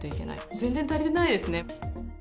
全然足りてないですね。